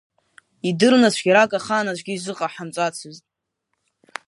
Идырны цәгьарак ахаан аӡәгьы изыҟаҳамҵацызт.